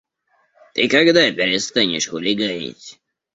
Ты когда перестанешь хулиганить?